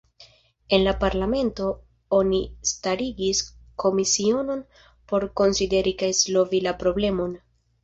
En la parlamento oni starigis komisionon por konsideri kaj solvi la problemon.